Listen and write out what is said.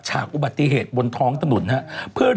เหมือนที่บัตรไทยพูด